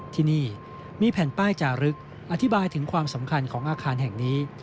ที่นี่มีแผ่นป้ายจารึกอธิบายถึงความสำคัญของอาคารแห่งนี้